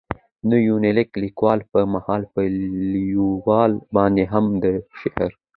دې يونليک ليکلو په مهال، په ليکوال باندې هم د شعر.